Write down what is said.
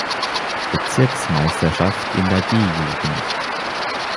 Bezirksmeisterschaft in der D-Jugend.